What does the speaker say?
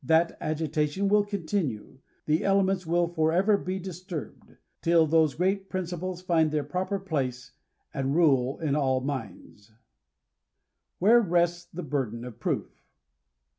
That agitation will continue, the elements will forever be disturbed, till those great principles find their proper place, and rule in all minds." •G. B. Cheever. WHERS RESTS THE BURDEN OF PROOF